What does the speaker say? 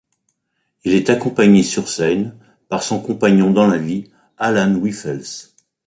Il est accompagné sur scène par son compagnon dans la vie, Alan Wyffels.